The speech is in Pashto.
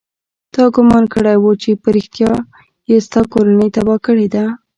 تا ګومان کړى و چې په رښتيا يې ستا کورنۍ تباه کړې ده.